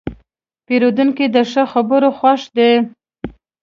پیرودونکی د ښه خبرو خوښ دی.